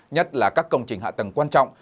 nhất là các công trình hạ tầng quan trọng